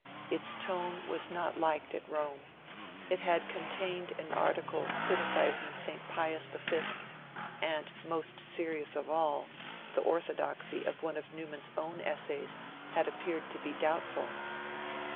Its tone was not liked at Rome; it had contained an article criticising St. Pius V, and, most serious of all, the orthodoxy of one of Newman's own essays had appeared to be doubtful.